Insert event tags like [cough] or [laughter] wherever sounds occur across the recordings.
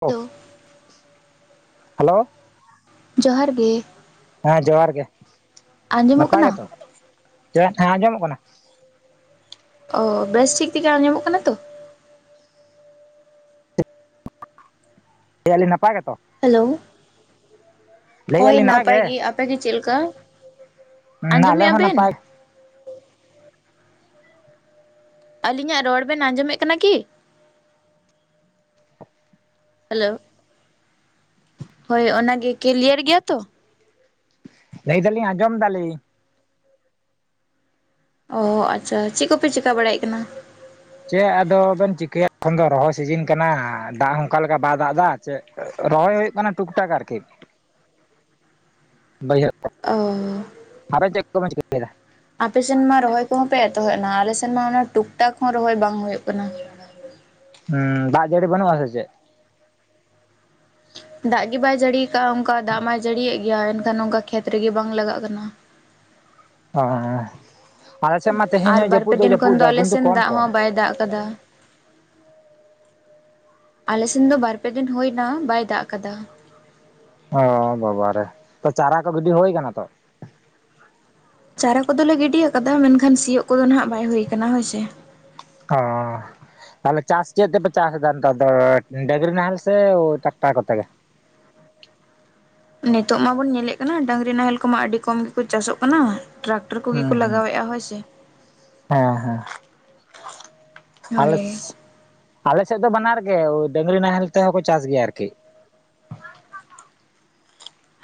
ᱚᱦ hello hello? ᱡᱚᱦᱟᱨ ᱜᱮ᱾ ᱦᱮᱸ ᱡᱚᱦᱟᱨ ᱜᱮ ᱟᱸᱡᱚᱢᱚᱜ ᱱᱟᱯᱟᱭ ᱠᱟᱱᱟ ᱜᱮᱛᱚ ᱪᱮᱫ ᱦᱮᱸ ᱟᱸᱡᱚᱢᱚᱜ ᱠᱟᱱᱟ᱾ ᱚ ᱵᱮᱥ ᱴᱷᱤᱠ ᱛᱮᱜᱮ ᱟᱸᱡᱚᱢᱚᱜ ᱠᱟᱱᱟ ᱛᱚ? ᱞᱟᱹᱭ-ᱮᱫ ᱟᱞᱤᱧ ᱱᱟᱯᱟᱭ ᱜᱮᱛᱚ? ᱦᱮᱞᱳ? ᱦᱳᱭ ᱱᱟᱯᱟᱭ ᱜᱮ ᱟᱯᱮ ᱜᱮ ᱪᱮᱫ ᱞᱮᱠᱟ ᱟᱞᱮ ᱟᱸᱡᱚᱢᱮᱜ ᱦᱚᱸ ᱟᱵᱮᱱ? ᱱᱟᱯᱟᱭ ᱟᱹᱞᱤᱧᱟᱜ ᱨᱚᱲ ᱵᱮᱱ ᱟᱸᱡᱚᱢᱮᱜ ᱠᱟᱱᱟ ᱠᱤ? ᱦᱮᱞᱳ? ᱦᱳᱭ ᱚᱱᱟ ᱜᱮ ᱠᱤᱞᱭᱟᱨ ᱜᱮᱭᱟ ᱛᱚ? ᱞᱟᱹᱭ ᱫᱟᱞᱤᱧ ᱟᱸᱡᱚᱢ ᱫᱟᱞᱤᱧ᱾ ᱚ ᱟᱪᱪᱷᱟ ᱪᱮᱜ ᱠᱚᱯᱮ ᱪᱮᱠᱟ ᱵᱟᱲᱟᱭᱮᱜ ᱠᱟᱱᱟ? ᱪᱮᱜ ᱟᱫᱚ ᱵᱮᱱ ᱪᱤᱠᱟᱹᱭᱟ ᱮᱠᱷᱚᱱ ᱫᱚ ᱨᱚᱦᱚᱭ ᱥᱤᱡᱤᱱ ᱠᱟᱱᱟ ᱫᱟᱜ ᱦᱚᱸ ᱚᱝᱠᱟ ᱞᱮᱠᱟ ᱵᱟᱭ ᱫᱟᱜ ᱫᱟ᱾ ᱪᱮᱫ ᱨᱚᱦᱚᱭ ᱦᱳᱭᱳᱜ ᱠᱟᱱᱟ ᱴᱩᱠᱴᱟᱠ ᱟᱨᱠᱤ ᱵᱟᱹᱭᱦᱟᱹ ᱚ [inaudible] ᱟᱵᱮᱱ ᱪᱮᱫ ᱠᱚᱵᱮᱱ ᱪᱤᱠᱟᱹᱭ ᱫᱟ? ᱟᱯᱮ ᱥᱮᱱ ᱢᱟ ᱨᱚᱦᱚᱭ ᱠᱚᱦᱚᱸ ᱯᱮ ᱮᱛᱚᱦᱚᱵ ᱮᱱᱟ ᱟᱞᱮ ᱥᱮᱱ ᱢᱟ ᱚᱱᱟ ᱴᱩᱠᱴᱟᱠ ᱦᱚᱸ ᱨᱚᱦᱚᱭ ᱵᱟᱝ ᱦᱩᱭᱩᱜ ᱠᱟᱱᱟ᱾ ᱦᱩᱸ ᱫᱟᱜ ᱡᱟᱹᱲᱤ ᱵᱟᱹᱱᱩᱜᱼᱟ ᱥᱮ ᱪᱮᱫ? ᱫᱟᱜ ᱜᱮ ᱵᱟᱭ ᱡᱟᱹᱲᱤᱭ ᱠᱟᱜᱼᱟ ᱚᱝᱠᱟ ᱫᱟᱜ ᱢᱟᱭ ᱡᱟᱹᱲᱤᱭᱮᱜ ᱜᱮᱭᱟ ᱢᱮᱱᱠᱷᱟᱱ ᱱᱚᱝᱠᱟ ᱠᱷᱮᱛ ᱨᱮᱜᱮ ᱵᱟᱝ ᱞᱟᱜᱟᱜ ᱠᱟᱱᱟ᱾ ᱚ᱾ ᱟᱞᱮ ᱥᱮᱫ ᱢᱟ ᱛᱮᱦᱮᱧ ᱟᱨ ᱦᱚᱸ ᱵᱟᱨ ᱯᱮ ᱡᱟᱹᱯᱩᱫ ᱫᱚᱭ ᱫᱤᱱ ᱠᱷᱚᱱ ᱡᱟᱹᱯᱩᱫ ᱫᱚ ᱮᱫᱟ ᱟᱞᱮ ᱠᱤᱱᱛᱩ ᱥᱮᱱ ᱠᱚᱢ ᱫᱟᱜ ᱠᱚᱢ ᱦᱚᱸ ᱵᱟᱭ ᱫᱟᱜ ᱟᱠᱟᱫᱟ᱾ ᱟᱞᱮ ᱥᱮᱱ ᱫᱚ ᱵᱟᱨ ᱯᱮ ᱫᱤᱱ ᱦᱩᱭ ᱮᱱᱟ ᱵᱟᱭ ᱫᱟᱜ ᱟᱠᱟᱫᱟ᱾ ᱚ ᱵᱟᱵᱟ ᱨᱮ ᱛᱚ ᱪᱟᱨᱟ ᱠᱚ ᱜᱤᱰᱤ ᱦᱳᱭ ᱠᱟᱱᱟ ᱛᱚ? ᱪᱟᱨᱟ ᱠᱚᱫᱚ ᱞᱮ ᱜᱤᱰᱤ ᱟᱠᱟᱫᱟ ᱢᱮᱱᱠᱷᱟᱱ ᱥᱤᱭᱚᱜ ᱠᱚᱫᱚ ᱱᱟᱦᱟᱸᱜ ᱵᱟᱭ ᱦᱩᱭ ᱟᱠᱟᱱᱟ ᱦᱳᱭ ᱥᱮ᱾ ᱚ᱾ ᱛᱟᱦᱚᱞᱮ ᱪᱟᱥ ᱪᱮᱫ ᱛᱮ ᱯᱮ ᱪᱟᱥ ᱮᱫᱟ ᱱᱮᱛᱟᱨ ᱫᱚ ᱰᱟᱹᱝᱜᱽᱨᱤ ᱱᱟᱦᱮᱞ ᱥᱮ ᱴᱟᱠᱴᱟᱨ ᱠᱚᱛᱮ ᱜᱮ? ᱱᱤᱛᱚᱜ ᱢᱟᱵᱚᱱ ᱧᱮᱞᱮᱫ ᱠᱟᱱᱟ, ᱰᱟᱹᱝᱜᱽᱨᱤ ᱱᱟᱦᱮᱞ ᱠᱚᱢᱟ ᱟᱹᱰᱤ ᱠᱚᱢ ᱜᱮᱠᱚ ᱪᱟᱥᱚᱜ ᱠᱟᱱᱟ ᱴᱨᱟᱠ ᱴᱨᱟ ᱠᱚᱜᱮ ᱠᱚ ᱦᱩᱸ ᱦᱩᱸ ᱞᱟᱜᱟᱣᱮᱫᱼᱟ ᱦᱳᱭ ᱥᱮ, ᱦᱮᱸ ᱦᱮᱸ, ᱟᱞᱮ ᱦᱳᱭ ᱥᱮ ᱟᱞᱮ ᱥᱮᱫ ᱫᱚ ᱵᱟᱱᱟᱨ ᱜᱮ, ᱰᱟᱹᱝᱜᱽᱨᱤ ᱱᱟᱦᱮᱞ ᱛᱮᱦᱚᱸ ᱠᱚ ᱪᱟᱥ ᱜᱮᱭᱟ ᱟᱨᱠᱤ,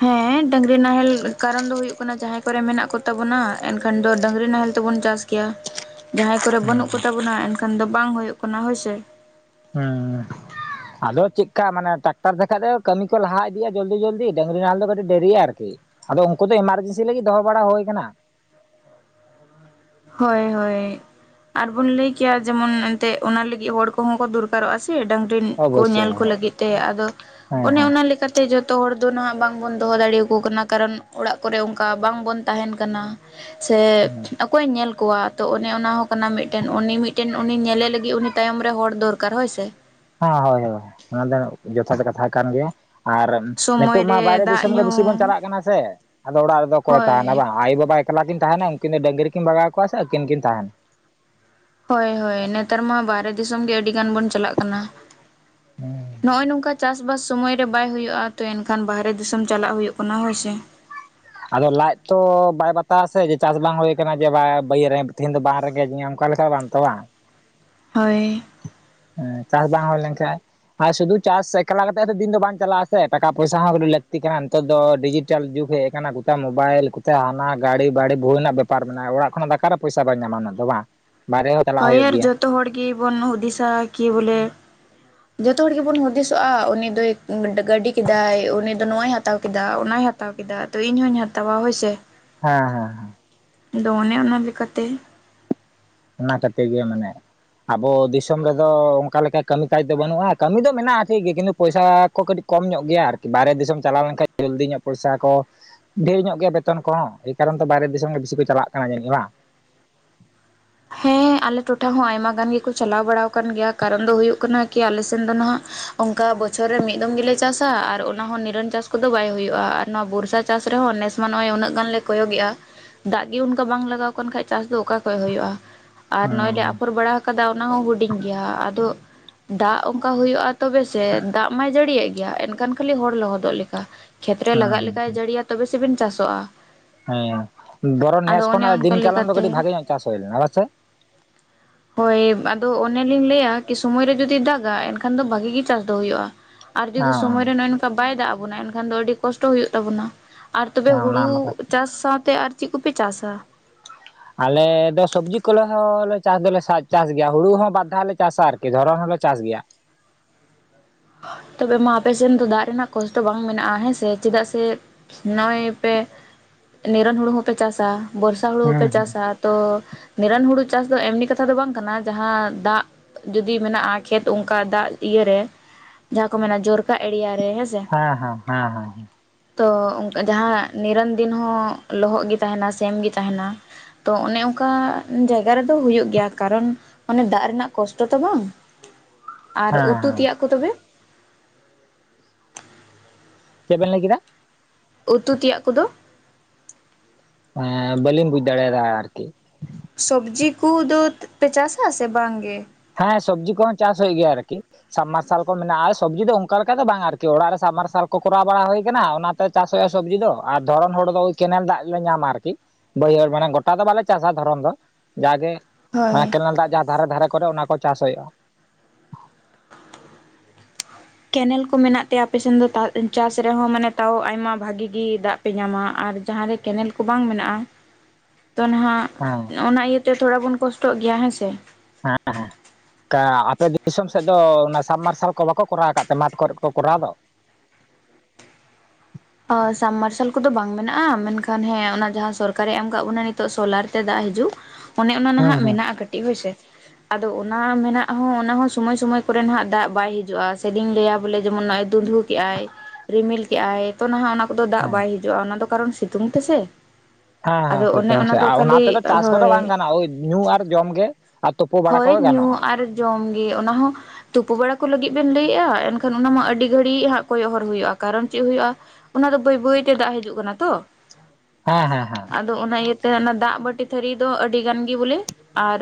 ᱦᱮᱸ ᱰᱟᱹᱝᱜᱽᱨᱤ ᱱᱟᱦᱮᱞ ᱠᱟᱨᱚᱱ ᱫᱚ ᱦᱩᱭᱩᱜ ᱠᱟᱱᱟ, ᱡᱟᱦᱟᱸᱭ ᱠᱚᱨᱮ ᱢᱮᱱᱟᱜ ᱠᱚᱛᱟ ᱵᱚᱱᱟ ᱮᱱᱠᱷᱟᱱ ᱫᱚ ᱰᱟᱹᱝᱜᱽᱨᱤ ᱱᱟᱦᱮᱞ ᱛᱮᱵᱚᱱ ᱪᱟᱥ ᱠᱮᱭᱟ, [unintelligible] ᱡᱟᱦᱟᱸᱭ ᱠᱚᱨᱮ ᱵᱟᱹᱱᱩᱜ ᱠᱚᱛᱟ ᱵᱚᱱᱟ, ᱮᱱᱠᱷᱟᱱ ᱫᱚ ᱵᱟᱝ ᱦᱩᱭᱩᱜ ᱠᱟᱱᱟ ᱦᱳᱭ ᱥᱮ, ᱦᱩᱸ [inaudible] ᱟᱫᱚ ᱪᱮᱫᱠᱟ ᱢᱟᱱᱮ ᱴᱨᱟᱠᱴᱟᱨ ᱛᱮ ᱠᱷᱟᱡ ᱫᱚ ᱠᱟᱹᱢᱤ ᱠᱚ ᱞᱟᱦᱟ ᱤᱫᱤᱜᱼᱟ ᱡᱚᱞᱫᱤ ᱡᱚᱞᱫᱤ, ᱰᱟᱹᱝᱜᱽᱨᱤ ᱱᱟᱦᱮᱞ ᱫᱚ ᱠᱟᱹᱴᱤᱡ ᱫᱮᱨᱤᱜᱼᱟ ᱟᱨᱠᱤ, ᱟᱫᱚ ᱩᱝᱠᱩ ᱫᱚ ᱮᱢᱟᱨᱡᱮᱱᱥᱤ ᱞᱟᱹᱜᱤᱫ ᱫᱚᱦᱚ ᱵᱟᱲᱟ ᱦᱩᱭ ᱠᱟᱱᱟ᱾ ᱦᱳᱭ, ᱦᱳᱭ, ᱟᱨ ᱵᱚᱱ ᱞᱟᱹᱭ ᱠᱮᱭᱟ ᱡᱮᱢᱚᱱ ᱮᱱᱛᱮᱫ, ᱚᱱᱟ ᱞᱟᱹᱜᱤᱫ ᱦᱚᱲ ᱠᱚᱦᱚᱸ ᱠᱚ ᱫᱚᱨᱠᱟᱨᱚᱜᱼᱟ ᱥᱮ ᱰᱟᱹᱝ ᱨᱮᱱ ᱠᱚ ᱚᱵᱚᱥᱥᱳᱭ ᱧᱮᱞ ᱠᱚ ᱦᱮᱸ ᱞᱟᱹᱜᱤᱫ ᱛᱮ, ᱟᱫᱚ ᱦᱮᱸ ᱚᱱᱮ ᱚᱱᱟ ᱞᱮᱠᱟ ᱛᱮ ᱡᱚᱛᱚ ᱦᱚᱲ ᱫᱚ ᱱᱟᱦᱟᱜ ᱵᱟᱝᱵᱚᱱ ᱫᱚᱦᱚ ᱫᱟᱲᱤᱭᱣᱟᱠᱩ ᱠᱟᱱᱟ, ᱠᱟᱨᱚᱱ ᱚᱲᱟᱜ ᱠᱚᱨᱮ ᱚᱱᱠᱟ ᱵᱟᱝ ᱵᱚᱱ ᱛᱟᱦᱮᱱ ᱠᱟᱱᱟ᱾ ᱥᱮ, ᱦᱩᱸ ᱚᱠ ᱠᱚᱭ ᱧᱮᱞ ᱠᱚᱣᱟ ᱛᱚ ᱚᱱᱮ ᱚᱱᱟ ᱦᱚᱸ ᱠᱟᱱᱟ ᱢᱤᱫᱽᱴᱮᱱ, ᱩᱱᱤ ᱢᱤᱫᱽᱴᱮᱱ ᱩᱱᱤ ᱧᱮᱞᱮ ᱞᱟᱹᱜᱤᱫ ᱩᱱᱤ ᱛᱟᱭᱚᱢ ᱨᱮ ᱦᱚᱲ ᱫᱚᱨᱠᱟᱨ ᱦᱳᱭᱥᱮ, ᱦᱟᱸ ᱦᱳᱭ ᱦᱳᱭ, ᱚᱱᱟ ᱫᱚ ᱡᱚᱛᱷᱟᱛ ᱠᱟᱛᱷᱟ ᱠᱟᱱ ᱜᱮᱭᱟ, ᱟᱨ ᱥᱚᱢᱚᱭ ᱱᱤᱛᱚᱜ ᱨᱮ ᱢᱟ ᱵᱟᱭᱨᱮ ᱫᱟᱜ ᱫᱤᱥᱚᱢ ᱜᱮ ᱧᱩ ᱵᱮᱥᱤ ᱵᱚᱱ ᱪᱟᱞᱟᱜ ᱠᱟᱱᱟ ᱥᱮ, ᱟᱫᱚ ᱚᱲᱟᱜ ᱨᱮᱫᱚ ᱚᱠᱚᱭ ᱦᱳᱭ ᱛᱟᱦᱮᱱᱟ ᱵᱟᱝ, ᱟᱭᱩ ᱵᱟᱵᱟ ᱮᱠᱞᱟ ᱠᱤᱱ ᱛᱟᱦᱮᱱᱟ ᱩᱱᱠᱤᱱ ᱫᱚ ᱰᱟᱹᱝᱨᱤ ᱠᱤᱱ ᱵᱟᱜᱟᱣ ᱠᱚᱣᱟ ᱥᱮ ᱟᱹᱠᱤᱱ ᱠᱤᱱ ᱛᱟᱦᱮᱱᱟ᱾ ᱦᱳᱭ, ᱦᱳᱭ, ᱱᱮᱛᱟᱨ ᱢᱟ ᱵᱟᱦᱨᱮ ᱫᱤᱥᱚᱢ ᱜᱮ ᱟᱹᱰᱤ ᱜᱟᱱ ᱵᱚᱱ ᱪᱟᱞᱟᱜ ᱠᱟᱱᱟ᱾ ᱱᱚᱜᱼᱚᱭ ᱱᱚᱝᱠᱟ ᱪᱟᱥ ᱵᱟᱥ ᱥᱳᱢᱚᱭ ᱨᱮ ᱵᱟᱭ ᱦᱩᱭᱩᱜᱼᱟ, ᱛᱚ ᱮᱱᱠᱷᱟᱱ ᱵᱟᱹᱨᱦᱮ ᱫᱤᱥᱚᱢ ᱪᱟᱞᱟᱜ ᱦᱩᱭᱩᱜ ᱠᱟᱱᱟ ᱦᱳᱭ ᱥᱮ, ᱟᱫᱚ ᱞᱟᱡᱽ ᱛᱚ ᱵᱟᱭ ᱵᱟᱛᱟ ᱟᱥᱮ ᱡᱮ ᱪᱟᱥ ᱵᱟᱝ ᱦᱩᱭ ᱠᱟᱱᱟ, ᱡᱮ ᱵᱟᱸ ᱵᱟᱹᱭᱟᱹ ᱨᱮ ᱛᱤᱦᱤᱧ ᱫᱚ ᱵᱟᱝ ᱨᱮᱸᱜᱮᱡᱽᱡᱤᱧᱟᱹ, ᱚᱱᱠᱟ ᱞᱮᱠᱟ ᱵᱟᱝ ᱛᱚ ᱵᱟ? ᱦᱳᱭ, ᱦᱮᱸ ᱪᱟᱥ ᱵᱟᱝ ᱦᱩᱭ ᱞᱮᱱ ᱠᱷᱟᱱᱡ ᱟᱨ ᱥᱩᱫᱩ ᱪᱟᱥ ᱮᱠᱟᱞᱟ ᱠᱟᱛᱮ ᱦᱚᱛ ᱫᱤᱱ ᱫᱚ ᱵᱟᱝ ᱪᱟᱞᱟᱜᱼᱟ ᱥᱮ, ᱴᱟᱠᱟ ᱯᱚᱭᱥᱟ ᱦᱚᱸ ᱠᱟᱹᱴᱤᱡ ᱞᱟᱹᱠᱛᱤ ᱠᱟᱱᱟ, ᱱᱮᱛᱟᱨ ᱫᱚ ᱰᱤᱡᱤᱴᱟᱞ ᱡᱩᱜᱽ ᱦᱮᱡ ᱠᱟᱱᱟ ᱜᱚᱛᱟ ᱢᱳᱵᱟᱭᱤᱞ ᱠᱚᱛᱮ ᱦᱟᱱᱟ ᱜᱟᱲᱤ ᱵᱟᱹᱲᱤ ᱵᱷᱩᱣᱤ ᱨᱮᱱᱟᱜ ᱵᱮᱯᱟᱨ ᱢᱮᱱᱟᱜᱼᱟ ᱢᱮᱱᱟᱼᱟ, ᱚᱲᱟᱜ ᱠᱷᱚᱱᱟᱜ ᱫᱚ ᱚᱠᱟᱨᱮ ᱯᱚᱭᱥᱟ ᱵᱟᱹ ᱧᱟᱢᱟ ᱩᱱᱟᱹᱜ ᱫᱚ ᱵᱟᱝ, ᱵᱟᱨᱦᱮ ᱦᱚᱸ ᱪᱟᱞᱟᱜ ᱦᱳᱭ, ᱦᱩᱭᱩᱜ ᱟᱹᱨ ᱜᱮᱭᱟ ᱡᱚᱛᱚ ᱦᱚᱲ ᱜᱤ ᱵᱚᱱ ᱦᱩᱫᱤᱥᱟ ᱠᱤ ᱵᱚᱞᱮ, ᱡᱚᱛᱚ ᱦᱚᱲ ᱜᱤ ᱵᱚᱱ ᱦᱩᱫᱤᱥᱚᱜᱼᱟ, ᱩᱱᱤ ᱫᱚᱭ ᱜᱟᱹᱰᱤ ᱠᱮᱫᱟᱭ, ᱩᱱᱤ ᱫᱚ ᱱᱚᱣᱟᱭ ᱦᱟᱛᱟᱣ ᱠᱮᱫᱟ ᱚᱱᱟᱭ ᱦᱟᱛ ᱛᱟᱣ ᱠᱮᱫᱟ ᱟᱫᱚ ᱤᱧ ᱦᱚᱧ ᱦᱟᱛᱟᱣᱟ, ᱦᱳᱭ ᱥᱮ ᱦᱮᱸ, ᱦᱮᱸ, ᱟᱫᱚ ᱚᱱᱮ ᱚᱱᱟ ᱞᱮᱠᱟᱛᱮ, ᱚᱱᱟ ᱠᱟᱛᱤ ᱜᱮ ᱢᱟᱱᱮ, ᱟᱵᱚ ᱫᱤᱥᱚᱢ ᱨᱮᱫᱚ ᱚᱱᱠᱟ ᱞᱮᱠᱟ ᱠᱟᱹᱢᱤ ᱠᱟᱡᱽ ᱫᱚ ᱵᱟᱹᱱᱩᱜᱼᱟ, ᱠᱟᱹᱢᱤ ᱫᱚ ᱢᱮᱱᱟᱜᱼᱟ ᱴᱷᱤᱠ ᱜᱮ ᱠᱤᱱᱛᱩ ᱯᱚᱭᱥᱟ ᱠᱚ ᱠᱟᱹᱴᱤᱡ ᱠᱚᱢ ᱧᱚᱜ ᱜᱮᱭᱟ ᱟᱨᱠᱤ, ᱵᱟᱦᱨᱮ ᱫᱤᱥᱚᱢ ᱪᱟᱞᱟᱣ ᱞᱮᱱᱠᱟᱱ ᱡᱟᱹᱞᱫᱤ ᱧᱚᱜ ᱯᱚᱭᱥᱟ ᱠᱚ ᱰᱷᱮᱨ ᱧᱚᱜ ᱜᱮᱭᱟ ᱵᱮᱛᱚᱱ ᱠᱚᱦᱚᱸ ᱮ ᱠᱟᱨᱚᱱ ᱛᱚ ᱵᱟᱦᱨᱮ ᱫᱤᱥᱚᱢ ᱜᱮ ᱵᱤᱥᱤ ᱠᱚ ᱪᱟᱞᱟᱜ ᱠᱟᱱᱟ ᱡᱟᱹᱱᱤᱡ ᱵᱟᱝ? ᱦᱮᱸ ᱟᱞᱮ ᱴᱚᱴᱷᱟ ᱦᱚᱸ ᱟᱭᱢᱟ ᱜᱟᱱ ᱜᱤᱠᱩ ᱪᱟᱞᱟᱣ ᱵᱟᱲᱟᱣ ᱟᱠᱟᱱ ᱜᱮᱭᱟ, ᱠᱟᱨᱚᱱ ᱫᱚ ᱦᱩᱭᱩᱜᱽ ᱠᱟᱱᱟ ᱠᱤ ᱟᱞᱮ ᱥᱮᱱ ᱫᱚ ᱱᱟ ᱱᱟᱦᱟᱜ ᱚᱱᱠᱟ ᱵᱚᱪᱷᱚᱨ ᱨᱮ ᱢᱤᱫᱽ ᱫᱚᱢ ᱜᱮᱞᱮ ᱪᱟᱥᱟ, ᱟᱨ ᱚᱱᱟ ᱦᱚᱸ ᱱᱤᱨᱟᱹᱱ ᱪᱟᱥ ᱠᱚᱫᱚ ᱵᱟᱭ ᱦᱩᱭᱩᱜᱼᱟ, ᱟᱨ ᱱᱚᱣᱟ ᱵᱚᱨᱥᱟ ᱪᱟᱥ ᱨᱮᱦᱚᱸ ᱱᱮᱥ ᱢᱟ ᱱᱚᱜᱼᱚᱭ ᱩᱱᱟᱹᱜ ᱜᱟᱱ ᱞᱮ ᱠᱚᱭᱚᱜᱮᱜᱼᱟ ᱫᱟᱜᱽ ᱜᱮ ᱚᱱᱠᱟ ᱵᱟᱝ ᱞᱟᱜᱟᱣ ᱠᱟᱱ ᱠᱷᱟᱡ, ᱪᱟᱥ ᱫᱚ ᱚᱠᱟ ᱠᱷᱚᱡ ᱦᱩᱭᱩᱜᱼᱟ᱾ ᱟᱨ ᱱᱚᱜᱼᱚᱭ ᱞᱮ ᱦᱩᱸ ᱟᱯᱷᱚᱨ ᱵᱟᱲᱟ ᱦᱟᱠᱟᱫᱟ ᱚᱱᱟ ᱦᱚᱸ ᱦᱩᱰᱤᱧ ᱜᱮᱭᱟ, ᱟᱫᱚ ᱫᱟᱜ ᱚᱱᱠᱟ ᱦᱩᱭᱩᱜᱼᱟ ᱛᱚᱵᱮ ᱥᱮ, ᱫᱟᱜ ᱢᱟᱭ ᱡᱟᱹᱲᱤᱭᱟᱜ ᱜᱮᱭᱟ ᱮᱱᱠᱷᱟᱱ ᱠᱷᱟᱹᱞᱤ ᱦᱚᱲ ᱞᱚᱦᱚᱫᱚᱜ ᱞᱮᱠᱟ᱾ ᱠᱷᱮᱛ ᱨᱮ ᱦᱩᱸ ᱞᱟᱜᱟᱜ ᱞᱮᱠᱟᱭ ᱦᱩᱸ ᱡᱟᱹᱲᱤᱭᱟ ᱛᱚᱵᱮ ᱥᱮᱵᱤᱱ ᱪᱟᱥᱚᱜᱼᱟ᱾ ᱦᱮᱸ ᱵᱚᱨᱚᱱ ᱟᱫᱚ ᱱᱮᱥ ᱚᱱᱮ ᱠᱷᱚᱱᱟᱜ ᱚᱱᱠᱟ ᱫᱤᱱ ᱠᱟᱞᱚᱢ ᱫᱚ ᱞᱮᱠᱟᱛᱮ ᱠᱟᱹᱴᱤᱡ ᱵᱷᱟᱜᱮ ᱧᱚᱜ ᱪᱟᱥ ᱦᱩᱭ ᱞᱮᱱᱟ ᱵᱟᱥᱮ? ᱦᱳᱭ ᱟᱫᱚ ᱚᱱᱮᱞᱤᱧ ᱞᱟᱹᱭᱟ ᱠᱤ ᱥᱳᱢᱚᱭ ᱨᱮ ᱡᱩᱫᱤ ᱫᱟᱜᱟ ᱮᱱᱠᱷᱟᱱ ᱫᱚ ᱵᱷᱟᱹᱜᱤ ᱜᱤ ᱪᱟᱥ ᱫᱚ ᱦᱩᱭᱩᱜᱼᱟ ᱾ ᱟᱨ ᱡᱩᱫᱤ ᱦᱮᱸ ᱥᱚᱢᱚᱭ ᱨᱮ ᱱᱚᱜᱼᱚᱭ ᱱᱚᱝᱠᱟ ᱵᱟᱭ ᱫᱟᱜ ᱟᱵᱚᱱᱟ ᱮᱱᱠᱷᱟᱱ ᱫᱚ ᱟᱹᱰᱤ ᱠᱚᱥᱴᱚ ᱦᱩᱭᱩᱜ ᱛᱟᱵᱚᱱᱟ᱾ ᱟᱨ ᱛᱚᱵᱮ ᱦᱮᱸ ᱚᱱᱟ ᱦᱩᱲᱩ ᱢᱟ ᱠᱟᱛᱷᱟ ᱪᱟᱥ ᱥᱟᱶᱛᱮ ᱟᱨ ᱪᱤᱫ ᱠᱚᱯᱮ ᱪᱟᱥᱟ? ‌‍‍‍‍ ᱟᱞᱮ ᱫᱚ ᱥᱚᱵᱽᱡᱤ ᱠᱚᱞᱚ ᱦᱚᱸ ᱞᱮ ᱪᱟᱥ ᱫᱚᱞᱮ ᱥᱟᱪ ᱪᱟᱥ ᱜᱮᱭᱟ ᱦᱩᱲᱩ ᱦᱚᱸ ᱵᱟᱨ ᱫᱷᱟᱣ ᱞᱮ ᱪᱟᱥᱟ ᱟᱨᱠᱤ ᱫᱷᱚᱨᱚᱱ ᱦᱚᱸᱞᱮ ᱪᱟᱥ ᱜᱮᱭᱟ ᱾ ᱛᱚᱵᱮ ᱢᱟ ᱟᱯᱮ ᱥᱮᱱ ᱫᱚ ᱫᱟᱜᱽ ᱨᱮᱱᱟᱜ ᱠᱚᱥᱴᱚ ᱵᱟᱝ ᱢᱮᱱᱟᱜᱼᱟ ᱦᱮᱸᱥᱮ ᱪᱮᱫᱟᱜ ᱥᱮ ᱱᱚᱜᱼᱚᱭ ᱯᱮ ᱱᱤᱨᱚᱱ ᱦᱩᱲᱩ ᱦᱚᱸᱯᱮ ᱪᱟᱥᱟ ᱵᱚᱨᱥᱟ ᱦᱩᱲᱩ ᱦᱩᱸ ᱦᱚᱸᱯᱮ ᱦᱩᱸ ᱪᱟᱥᱟ᱾ ᱛᱚ ᱱᱤᱨᱚᱱ ᱦᱩᱲᱩ ᱪᱟᱥ ᱫᱚ ᱮᱢᱱᱤ ᱠᱟᱛᱷᱟ ᱫᱚ ᱵᱟᱝ ᱠᱟᱱᱟ ᱡᱟᱦᱟᱸ ᱫᱟᱜ ᱡᱩᱫᱤ ᱢᱮᱱᱟᱜᱼᱟ ᱠᱷᱮᱛ ᱚᱱᱠᱟ ᱫᱟᱜᱽ ᱤᱭᱟᱹ ᱨᱮ ᱾ ᱡᱟᱦᱟᱸ ᱠᱚ ᱢᱮᱱᱟ ᱡᱚᱨᱠᱟ ᱮᱲᱤᱭᱟ ᱨᱮ ᱦᱮᱸᱥᱮ᱾ ᱦᱮᱸ ᱦᱮᱸ ᱦᱮᱸ ᱦᱮᱸ ᱾ ᱛᱚ ᱡᱟᱦᱟᱸ ᱱᱤᱨᱟᱹᱱ ᱫᱤᱱ ᱦᱚᱸ ᱞᱚᱦᱚᱫ ᱜᱮ ᱛᱟᱦᱮᱱᱟ ᱥᱮᱢ ᱜᱤ ᱛᱟᱦᱮᱱᱟ ᱾ ᱛᱚ ᱚᱱᱮ ᱚᱱᱠᱟ ᱡᱟᱭ ᱜᱟ ᱨᱮᱫᱚ ᱦᱩᱭᱩᱜ ᱜᱮᱭᱟ ᱠᱟᱨᱚᱱ ᱚᱱᱮ ᱫᱟᱜᱽ ᱨᱮᱱᱟᱜ ᱠᱚᱥᱴᱚ ᱛᱚ ᱵᱟᱝ ᱟᱨ ᱦᱮᱸ ᱩᱛᱩ ᱦᱮᱸ ᱛᱮᱭᱟᱜ ᱠᱩ ᱛᱚᱵᱮ ᱪᱮᱜ ᱵᱮᱱ ᱞᱟᱹᱭ ᱠᱮᱫᱟ ᱾ ᱩᱛᱩ ᱛᱤᱭᱟᱜ ᱠᱚᱫᱚ ᱾ ᱮᱸ ᱵᱟᱹᱞᱤᱧ ᱵᱩᱡ ᱫᱟᱲᱮᱭᱟᱫᱟ ᱟᱨᱠᱤ ᱾ ᱥᱚᱵᱽᱡᱤ ᱠᱩ ᱫᱚ ᱯᱮ ᱪᱟᱥᱟ ᱥᱮ ᱵᱟᱝ ᱜᱮ ᱾ ᱦᱮᱸ ᱥᱚᱵᱽᱡᱤ ᱠᱚᱦᱚᱸ ᱪᱟᱥ ᱦᱩᱭᱩᱜ ᱜᱮᱭᱟ ᱟᱨᱠᱤ ᱾ ᱥᱟᱢᱽᱢᱟᱨᱥᱟᱞ ᱠᱚ ᱢᱮᱱᱟᱜᱼᱟ ᱟᱨ ᱥᱚᱵᱽᱡᱤ ᱫᱚ ᱚᱱᱠᱟ ᱞᱮᱠᱟ ᱫᱚ ᱵᱟᱝ-ᱟ ᱟᱨᱠᱤ ᱚᱲᱟᱜ ᱨᱮ ᱥᱟᱢ ᱢᱟᱨᱥᱟᱞ ᱠᱚ ᱠᱚᱨᱟᱣ ᱵᱟᱲᱟ ᱦᱩᱭ ᱟᱠᱟᱱᱟ ᱚᱱᱟ ᱪᱟᱥ ᱦᱩᱭᱩᱜᱼᱟ ᱥᱚᱵᱽᱡᱤ ᱫᱚ ᱟᱨ ᱫᱷᱚᱨᱚᱱ ᱦᱚᱲ ᱫᱚ ᱠᱮᱱᱮᱞ ᱫᱟᱜ ᱞᱮ ᱧᱟᱢᱟ ᱟᱨᱠᱤ᱾ ᱵᱟᱹᱭᱦᱟᱹᱲ ᱢᱟᱱᱮ ᱜᱚᱴᱟ ᱫᱚ ᱵᱟᱞᱮ ᱪᱟᱥᱟ ᱫᱷᱚᱨᱚᱱ ᱫᱚ ᱡᱟᱜᱮ ᱾ ᱦᱳᱭ ᱚᱱᱟ ᱠᱮᱱᱮᱞ ᱫᱟᱜ ᱡᱟᱦᱟᱸ ᱫᱷᱟᱨᱮ ᱫᱷᱟᱨᱮ ᱠᱚᱨᱮ ᱚᱱᱟ ᱠᱚ ᱪᱟᱥ ᱦᱩᱭᱩᱜᱼᱟ ᱾ ᱠᱮᱱᱮᱞ ᱠᱚ ᱢᱮᱱᱟᱜ ᱛᱮ ᱟᱯᱮᱥᱮᱱ ᱛᱟ ᱪᱟᱥ ᱨᱮᱦᱚᱸ ᱢᱟᱱᱮ ᱛᱟᱣ ᱟᱭᱢᱟ ᱵᱷᱟᱜᱤ ᱜᱮ ᱫᱟᱜ ᱯᱮ ᱧᱟᱢᱟ ᱟᱨ ᱡᱟᱦᱟᱸ ᱨᱮ ᱠᱮᱱᱮᱞ ᱠᱚ ᱵᱟᱝ ᱢᱮᱱᱟᱜᱼᱟ ᱛᱚ ᱱᱟᱦᱟᱜ ᱦᱮᱸ ᱚᱱᱟ ᱤᱭᱟᱹᱛᱮ ᱛᱷᱚᱲᱟ ᱵᱚᱱ ᱠᱚᱥᱴᱚᱜ ᱜᱮᱭᱟ ᱦᱮᱸ ᱥᱮ ᱾ [unintelligible] ᱚᱱᱠᱟ ᱟᱯᱮ ᱫᱤᱥᱚᱢ ᱥᱮᱫ ᱫᱚ ᱚᱱᱟ ᱥᱟᱵᱢᱟᱨᱥᱟᱞ ᱠᱚ ᱵᱟᱠᱚ ᱠᱚᱨᱟᱣ ᱟᱠᱟᱫ ᱛᱮ ᱢᱟᱴᱷ ᱠᱚᱨᱮ ᱠᱚ ᱠᱚᱨᱟᱣ ᱫᱚ ᱾ ᱥᱟᱵᱢᱟᱨᱥᱟᱞ ᱠᱚᱫᱚ ᱵᱟᱝ ᱢᱮᱱᱟᱜᱼᱟ ᱢᱮᱱᱠᱷᱟᱱ ᱦᱮᱸ ᱚᱱᱟ ᱡᱟᱦᱟᱸ ᱥᱚᱨᱠᱟᱨᱮ ᱮᱢ ᱟᱠᱟᱜ ᱵᱚᱱᱟ ᱱᱤᱛᱚᱜ ᱥᱳᱞᱟᱨ ᱛᱮ ᱫᱟᱜ ᱦᱤᱡᱩᱜ ᱚᱱᱮ ᱚᱱᱟ ᱦᱮᱸ ᱱᱟᱦᱟᱜ ᱦᱮᱸ ᱢᱮᱱᱟᱜᱼᱟ ᱠᱟᱹᱴᱤᱡ ᱦᱳᱭᱥᱮ ᱾ ᱟᱫᱚ ᱚᱱᱟ ᱢᱮᱱᱟᱜ ᱦᱚᱸ ᱚᱱᱟ ᱦᱚᱸ ᱥᱳᱢᱚᱭ ᱥᱳᱢᱚᱭ ᱠᱚᱨᱮ ᱱᱟᱦᱟᱜ ᱫᱟᱜ ᱵᱟᱭ ᱦᱤᱡᱩᱜᱼᱟ ᱥᱮᱫᱤᱧ ᱞᱟᱹᱭᱟ ᱵᱚᱞᱮ ᱡᱮᱢᱚᱱ ᱱᱚᱜᱼᱚᱭ ᱫᱩᱸᱫᱷᱦᱩ ᱠᱮᱜᱼᱟᱭ ᱨᱤᱢᱤᱞ ᱠᱮᱜᱼᱟᱭ ᱾ ᱛᱚ ᱱᱟᱦᱟᱜ ᱚᱱᱟ ᱠᱚᱫᱚ ᱫᱟᱜ ᱦᱮᱸ ᱵᱟᱭ ᱦᱤᱡᱩᱜᱼᱟ ᱚᱱᱟ ᱫᱚ ᱠᱟᱨᱚᱱ ᱥᱤᱛᱩᱝ ᱛᱮᱥᱮ ᱾ ᱦᱮᱸ ᱦᱮᱸ ᱥᱮᱛᱩᱝ ᱥᱮ ᱟ ᱚᱱᱟ ᱛᱮᱫᱚ ᱪᱟᱥ ᱠᱚᱫᱚ ᱦᱳᱭ ᱵᱟᱝ ᱜᱟᱱᱚᱜ-ᱟ ᱳᱭ ᱧᱩ ᱟᱨ ᱡᱚᱢ ᱜᱮ ᱾ ᱟᱨ ᱛᱩᱯᱩ ᱵᱟᱲᱟ ᱦᱳᱭ ᱠᱚᱜᱮ ᱧᱩ ᱜᱟᱱᱚᱜᱼᱟ ᱾ ᱟᱨ ᱡᱚᱢ ᱜᱮ ᱚᱱᱟ ᱦᱚᱸ ᱛᱩᱯᱩ ᱵᱟᱲᱟ ᱠᱚ ᱞᱟᱹᱜᱤᱫ ᱵᱮᱱ ᱞᱟᱹᱭᱮᱜᱼᱟ ᱮᱱᱠᱷᱟᱱ ᱚᱱᱟ ᱢᱟ ᱟᱹᱰᱤ ᱜᱷᱟᱹᱲᱤᱡ ᱦᱟᱸᱜ ᱠᱚᱭᱚᱜ ᱦᱚᱨ ᱦᱩᱭᱩᱜᱼᱟ ᱠᱟᱨᱚᱱ ᱪᱮᱫ ᱦᱩᱭᱩᱜᱼᱟ ᱾ ᱚᱱᱟ ᱫᱚ ᱵᱟᱹᱭ ᱵᱟᱹᱭᱛᱮ ᱫᱟᱜ ᱦᱤᱡᱩᱜ ᱠᱟᱱᱟ ᱛᱚ ᱾ ᱦᱮᱸ ᱦᱮᱸ ᱦᱮᱸ ᱾ ᱟᱫᱚ ᱚᱱᱟ ᱤᱭᱟᱹᱛᱮ ᱚᱱᱟ ᱫᱟᱜ ᱵᱟᱹᱴᱤ ᱛᱷᱟᱹᱨᱤ ᱫᱚ ᱟᱹᱰᱤ ᱜᱟᱱ ᱜᱮ ᱵᱚᱞᱮ ᱟᱨ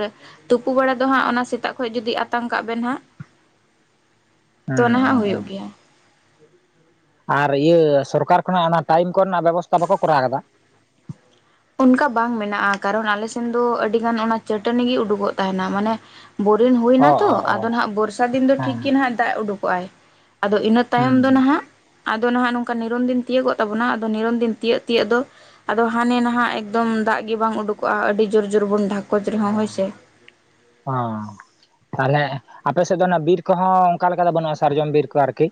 ᱛᱩᱯᱩ ᱵᱟᱲᱟ ᱫᱚ ᱦᱟᱸᱜ ᱚᱱᱟ ᱥᱮᱛᱟᱜ ᱠᱷᱚᱡ ᱡᱩᱫᱤ ᱟᱛᱟᱝ ᱠᱟᱜ ᱵᱮᱱ ᱦᱟᱸᱜ ᱾ [inaudible] ᱛᱚ ᱦᱩᱸ ᱱᱟᱦᱟᱜ ᱦᱩᱸ ᱦᱩᱭᱩᱜ ᱦᱩᱸ ᱜᱮᱭᱟ ᱾ ᱟᱨ ᱤᱭᱟᱹ ᱥᱚᱨᱠᱟᱨ ᱠᱷᱚᱱᱟᱜ ᱚᱱᱟ ᱴᱟᱭᱤᱢ ᱠᱚᱞ ᱨᱮᱱᱟᱜ ᱵᱮᱵᱚᱥᱛᱷᱟ ᱵᱟᱠᱚ ᱠᱚᱨᱟᱣ ᱟᱠᱟᱫᱟ ᱾ ᱚᱱᱠᱟ ᱵᱟᱝ ᱢᱮᱱᱟᱜᱼᱟ ᱠᱟᱨᱚᱱ ᱟᱞᱮ ᱥᱮᱱ ᱫᱚ ᱟᱹᱰᱤ ᱜᱟᱱ ᱚᱱᱟ ᱪᱟᱹᱴᱟᱹᱱᱤ ᱜᱮ ᱩᱰᱩᱠᱚᱜ ᱛᱟᱦᱮᱸᱱᱟ ᱢᱟᱱᱮ ᱵᱳᱨᱤᱤᱱ ᱦᱩᱭᱱᱟ ᱚ ᱛᱚ ᱚ ᱚ ᱟᱫᱚ ᱱᱟᱦᱟᱜ ᱵᱚᱨᱥᱟ ᱫᱤᱱ ᱫᱚ ᱴᱷᱤᱠ ᱦᱮᱸ ᱜᱮᱼᱱᱟᱦᱟᱜ ᱫᱟᱜ ᱩᱰᱩᱠᱚᱜ ᱟᱭ ᱟᱫᱚ ᱤᱱᱟᱹ ᱛᱟᱭᱳᱢ ᱦᱩᱸ ᱫᱚ ᱦᱩᱸ ᱱᱟᱦᱟᱜ ᱟᱫᱚ ᱱᱟᱦᱟᱜ ᱱᱚᱝᱠᱟ ᱱᱤᱨᱚᱱᱫᱤᱱ ᱛᱤᱭᱟᱹᱜᱚᱜ ᱛᱟᱵᱚᱱᱟ ᱟᱫᱚ ᱱᱤᱨᱚᱱᱫᱤᱱ ᱛᱤᱭᱟᱹᱜᱻᱛᱤᱭᱟᱹᱜ ᱫᱚ ᱟᱫᱚ ᱦᱟᱱᱮ ᱱᱟᱦᱟᱜ ᱮᱠᱫᱚᱢ ᱫᱟᱜᱼᱜᱮ ᱵᱟᱝ ᱩᱰᱩᱠᱚᱜᱼᱟ ᱟᱹᱰᱤ ᱡᱩᱨ ᱡᱩᱨ ᱵᱚᱱ ᱰᱷᱟᱠ ᱦ ᱦᱸ ᱛᱟᱦᱚᱞᱮ ᱟᱯᱮ ᱥᱮᱫ ᱫᱚ ᱱᱟᱦᱟᱜ ᱵᱤᱨ ᱠᱚᱦᱚᱸ ᱚᱱᱠᱟ ᱞᱮᱠᱟ ᱫᱚ ᱵᱟᱹᱱᱩᱜᱼᱟ ᱥᱟᱨᱡᱚᱢᱵᱤᱨ ᱠᱚ ᱟᱨᱠᱤ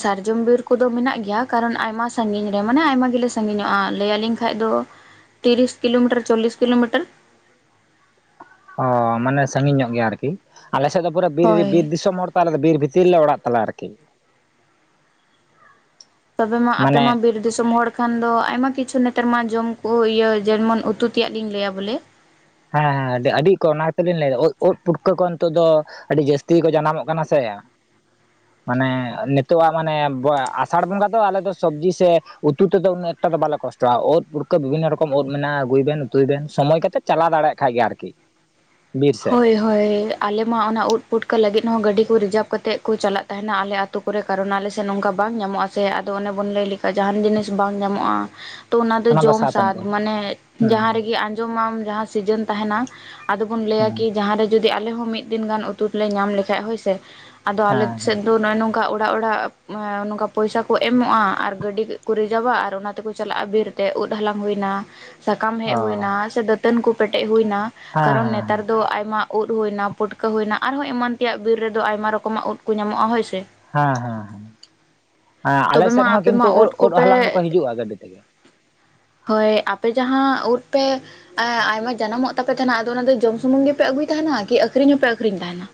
ᱥᱟᱨᱡᱚᱢ ᱵᱤᱨ ᱠᱚᱫᱚ ᱢᱮᱱᱟᱜ ᱜᱮᱭᱟ ᱠᱟᱨᱚᱱ ᱟᱭᱢᱟ ᱥᱟᱺᱜᱤᱧ ᱨᱮ ᱢᱟᱱᱮ ᱟᱭᱢᱟ ᱜᱮᱞᱮ ᱥᱟᱺᱜᱤᱧᱚᱜᱼᱟ ᱞᱟᱹᱭᱭᱟᱞᱤᱧ ᱠᱷᱟᱱ ᱵᱟ ᱠᱷᱟᱱ ᱫᱚ ᱛᱤᱨᱤᱥ ᱠᱤᱞᱳᱢᱤᱴᱟᱹᱨ ᱪᱚᱞᱞᱤᱥ ᱠᱤᱞᱳᱢᱤᱴᱟᱹᱨ ᱦᱚᱻ ᱢᱟᱱᱮ ᱥᱟᱺᱜᱤᱧ ᱧᱚᱜ ᱜᱮᱭᱟ ᱟᱨᱠᱤ ᱟᱞᱮ ᱥᱮᱫ ᱫᱚ ᱯᱩᱨᱟᱹ ᱵᱤᱨ ᱵᱤᱨ ᱦᱳᱭ ᱫᱤᱥᱚᱢ ᱦᱚᱲ ᱟᱞᱮᱫᱚ ᱵᱤᱨ ᱵᱷᱤᱛᱤᱨ ᱞᱮ ᱚᱲᱟᱜ ᱛᱟᱞᱮ ᱟᱨᱠᱤ ᱛᱚᱵᱮ ᱢᱟᱸ ᱟᱯᱮ ᱢᱟᱱᱮ ᱢᱟᱸ ᱵᱤᱨ ᱫᱤᱥᱚᱢ ᱦᱚᱲ ᱠᱷᱟᱱ ᱫᱚ ᱟᱭᱢᱟ ᱠᱤᱪᱷᱩ ᱱᱮᱛᱟᱨ ᱢᱟᱸ ᱡᱚᱢ ᱠᱚ ᱤᱭᱟᱹ ᱡᱮᱢᱚᱱ ᱩᱛᱩ ᱛᱮᱭᱟᱜ ᱞᱤᱧ ᱞᱟᱹᱭᱟ ᱵᱚᱞᱮ ᱦᱮᱸ ᱦᱮᱸ ᱟᱹᱰᱤ ᱠᱚ ᱚᱱᱟᱜᱮᱛᱚᱞᱤᱤᱧ ᱞᱟᱹᱭᱫᱟ ᱩᱫᱽ ᱯᱩᱴᱠᱟᱹ ᱠᱚ ᱱᱤᱛᱚᱜ ᱫᱚ ᱟᱹᱰᱤ ᱡᱟᱹᱥᱛᱤ ᱜᱮᱠᱚ ᱡᱟᱱᱟᱢᱚᱜ ᱠᱟᱱᱟ ᱥᱮ ᱢᱟᱱᱮ ᱱᱤᱛᱚᱜᱜ ᱢᱟᱱᱮ ᱟᱥᱟᱲ ᱵᱚᱸᱜᱟ ᱫᱚ ᱟᱞᱮ ᱫᱚ ᱥᱚᱵᱽᱡᱤ ᱥᱮ ᱩᱛᱩ ᱛᱮᱫᱚ ᱩᱱᱟᱹᱜ ᱮᱴᱟ ᱫᱚ ᱵᱟᱞᱮ ᱠᱚᱥᱴᱚᱜ ᱛ ᱩᱫᱽ ᱯᱩᱨᱠᱟᱹ ᱵᱤᱵᱷᱤᱱᱱᱚ ᱨᱚᱠᱚᱢ ᱩᱽ ᱢᱮᱱᱟᱜᱼᱟ ᱟᱹᱜᱩᱭ ᱵᱮᱱ ᱩᱛᱩᱭ ᱵᱮᱱ ᱥᱚᱢᱚᱭ ᱠᱟᱛᱮᱫ ᱪᱟᱞᱟᱣ ᱫᱟᱲᱮᱭᱟᱜ ᱠᱷᱟᱡ ᱜᱮ ᱟᱨᱠᱤ ᱵᱤᱨ ᱥᱮᱫ ᱦᱳᱭ ᱦᱳᱭ ᱟᱞᱮ ᱢᱟᱸ ᱚᱱᱟ ᱩᱫ ᱯᱩᱴᱠᱟᱹ ᱞᱟᱹᱜᱤᱫ ᱦᱚᱸ ᱜᱟᱹᱰᱤ ᱠᱚ ᱨᱤᱡᱟᱵᱷ ᱠᱟᱛᱮᱫ ᱠᱚ ᱪᱟᱞᱟᱜ ᱛᱟᱦᱮᱱᱟ ᱟᱞᱮ ᱟᱹᱛᱩ ᱠᱚᱨᱮ ᱠᱟᱨᱚᱱ ᱟᱞᱮ ᱥᱮᱫ ᱚᱱᱠᱟ ᱵᱟᱝ ᱧᱟᱢᱚᱜᱼᱟᱥᱮ ᱟᱫᱚ ᱚᱱᱮ ᱵᱚᱱ ᱞᱟᱹᱭ ᱞᱮᱠᱟ ᱡᱟᱦᱟᱱ ᱡᱤᱱᱤᱥ ᱵᱟᱝ ᱧᱟᱢᱚᱜᱼᱟ᱾ ᱛᱚ ᱚᱱᱟ ᱫᱚ ᱡᱚᱢ ᱥᱟᱛ ᱟᱱᱤᱡ ᱥᱟᱫ ᱜᱮ ᱢᱟᱱᱮ ᱦᱩᱸ ᱡᱟᱦᱟᱸ ᱨᱮᱜᱮ ᱟᱸᱡᱚᱢᱟᱢ ᱡᱟᱦᱟᱸ ᱥᱤᱡᱮᱱ ᱛᱟᱦᱮᱱᱟ ᱟᱫᱚ ᱵᱚᱱ ᱞᱟᱹᱭᱟ ᱦᱩᱸ ᱠᱤ ᱡᱟᱦᱟᱸᱨᱮ ᱡᱩᱫᱤ ᱟᱞᱮ ᱦᱚᱸ ᱢᱤᱫ ᱫᱤᱱ ᱜᱟᱱ ᱩᱛᱩ ᱞᱮ ᱧᱟᱢ ᱞᱮᱠᱷᱟᱡ ᱦᱳᱭ ᱥᱮ ᱟᱫᱚ ᱟᱞᱮ ᱦᱮᱸ ᱦᱮᱸ ᱥᱮᱫ ᱫᱚ ᱱᱚᱭ ᱱᱚᱝ ᱱᱚᱝᱠᱟ ᱚᱲᱟᱜ ᱚᱲᱟᱜ ᱢᱮᱸ ᱱᱚᱝᱠᱟ ᱯᱚᱭᱥᱟ ᱠᱚ ᱮᱢᱚᱜᱼᱟ ᱟᱨ ᱜᱟᱹᱰᱤ ᱠᱚ ᱨᱤᱡᱟᱵᱟ ᱟᱨ ᱚᱱᱟ ᱛᱮᱠᱚ ᱪᱟᱞᱟᱜᱼᱟ ᱵᱤᱨ᱾ ᱛᱮ ᱩᱫ ᱦᱟᱞᱟᱝ ᱦᱩᱭᱱᱟ ᱥᱟᱠᱟᱢ ᱦᱮᱡ ᱚ ᱦᱩᱭᱱᱟ ᱥᱮ ᱫᱟᱹᱛᱟᱹᱱ ᱠᱚ ᱯᱮᱴᱮᱡ ᱦᱩᱭᱱᱟ ᱦᱮᱸ ᱠᱟᱨᱚᱱ ᱱᱮᱛᱟᱨ ᱦᱮᱸ ᱫᱚ ᱟᱭᱢᱟ ᱩᱫ ᱦᱩᱭᱱᱟ ᱯᱩᱴᱠᱟᱹ ᱦᱩᱭᱱᱟ ᱟᱨᱦᱚᱸ ᱮᱢᱟᱱ ᱛᱮᱭᱟᱜ ᱵᱤᱨ ᱨᱮᱫᱚ ᱟᱭᱢᱟ ᱨᱚᱠᱚᱢᱟᱜ ᱩᱫ ᱠᱚ ᱧᱟᱢᱚᱜᱼᱟ ᱦᱳᱭ ᱥᱮ᱾ ᱦᱮᱸ ᱦᱮᱸ ᱦᱮᱸ, ᱟᱸᱜ ᱟᱞᱮ ᱛᱚᱵᱮ ᱢᱟ ᱥᱮᱫ ᱦᱚᱸ ᱟᱯᱮ ᱢᱟ ᱠᱤᱱᱛᱩ ᱩᱫ ᱩᱫ ᱠᱚᱯᱮ ᱦᱟᱞᱟᱝ ᱫᱚᱠᱚ ᱦᱤᱡᱩᱜᱼᱟ ᱜᱟᱹᱰᱤ ᱛᱮᱜᱮ᱾ [inaudible] ᱦᱳᱭ ᱟᱯᱮ ᱡᱟᱦᱟᱸ ᱩᱫ ᱯᱮ ᱮᱸ ᱟᱭᱢᱟ ᱡᱟᱱᱟᱢᱚᱜ ᱛᱟᱯᱮ ᱛᱮᱱᱟᱦᱟᱜ ᱟᱫᱚ ᱚᱱᱟ ᱫᱚ ᱡᱚᱢ ᱥᱩᱢᱩᱝ ᱜᱮᱯᱮ ᱟᱹᱜᱩᱭ ᱛᱟᱦᱮᱸᱱᱟ ᱠᱤ ᱟᱹᱠᱷᱨᱤᱧ ᱦᱚᱸᱯᱮ ᱟᱹᱠᱷᱨᱤᱧ ᱛᱟᱦᱮᱸᱱᱟ?